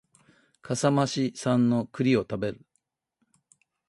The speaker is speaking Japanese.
笠間市産の栗を食べる